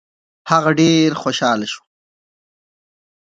هغه ډېر خوشاله شو.